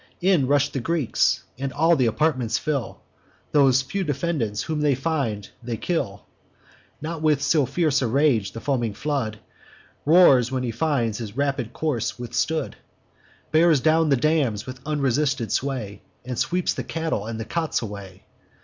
In rush the Greeks, and all the apartments fill; Those few defendants whom they find, they kill. Not with so fierce a rage the foaming flood Roars, when he finds his rapid course withstood; Bears down the dams with unresisted sway, And sweeps the cattle and the cots away.